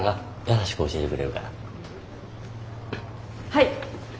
はい。